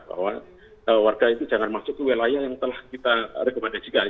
bahwa warga itu jangan masuk ke wilayah yang telah kita rekomendasikan